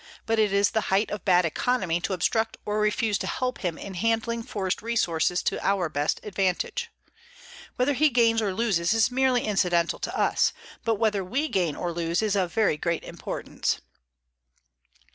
But it is the height of bad economy to obstruct or refuse to help him in handling forest resources to our best advantage. Whether he gains or loses is merely incidental to us, but whether we gain or lose is of very great importance.